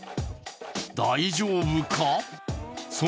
大丈夫か？